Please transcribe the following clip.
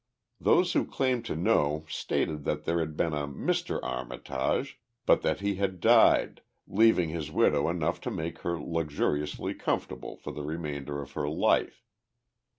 Those who claimed to know stated that there had been a Mr. Armitage, but that he had died, leaving his widow enough to make her luxuriously comfortable for the remainder of her life.